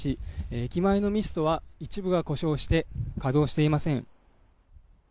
駅前のミストは一部が故障して稼働していません。